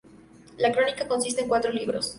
La crónica consiste en cuatro libros.